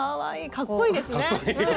かっこいいですねうん。